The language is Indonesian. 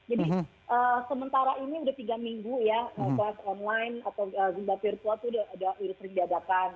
jadi sementara ini sudah tiga minggu ya kelas online atau jumlah virtual sudah ada virus terjadakan